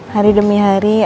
hari demi hari